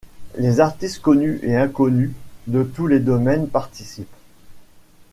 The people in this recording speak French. Les artistes connus et inconnus de tous les domaines participent.